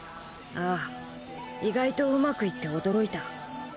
ああ意外とうまくいって驚いた。